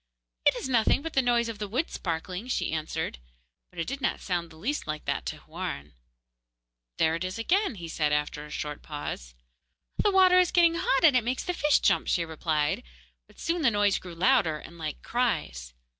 'It is nothing but the noise of the wood sparkling,' she answered; but it did not sound the least like that to Houarn. 'There it is again,' he said, after a short pause. 'The water is getting hot, and it makes the fish jump,' she replied; but soon the noise grew louder and like cries.